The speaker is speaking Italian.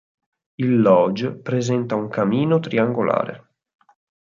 Il Lodge presenta un camino triangolare.